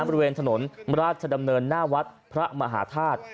บริเวณถนนราชดำเนินหน้าวัดพระมหาธาตุ